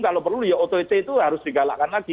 kalau perlu ya ott itu harus digalakkan lagi